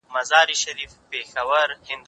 زه اوږده وخت ونې ته اوبه ورکوم،